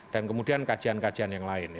dan kemudian kajian kajian yang lain